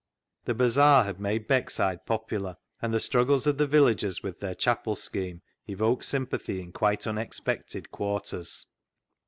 The bazaar had made Beckside popular, and the struggles of the villagers with their chapel scheme evoked sympathy in quite unexpected quarters.